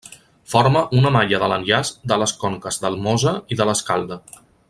Forma una malla de l'enllaç de les conques del Mosa i de l'Escalda.